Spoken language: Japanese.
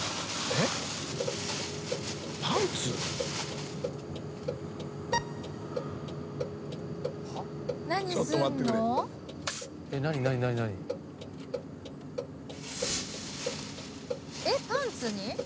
えっパンツに？